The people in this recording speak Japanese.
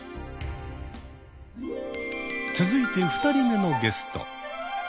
続いて２人目のゲスト。